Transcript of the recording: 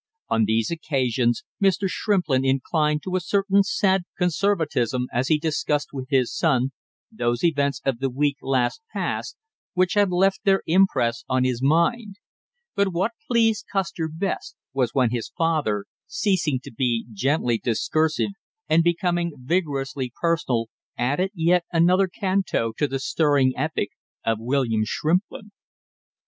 On these occasions Mr. Shrimplin inclined to a certain sad conservatism as he discussed with his son those events of the week last passed which had left their impress on his mind. But what pleased Custer best was when his father, ceasing to be gently discursive and becoming vigorously personal, added yet another canto to the stirring epic of William Shrimplin.